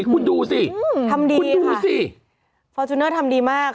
คุณดูสิอืมคุณดูสิฟอร์จูนเนอร์ทำดีมากค่ะ